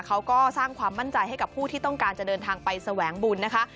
เขาก็สร้างความมั่นใจให้กับผู้ที่ต้องการจะเดินทางไปแสวงบุญนะคะ